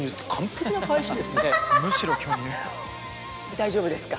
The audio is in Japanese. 大丈夫ですか？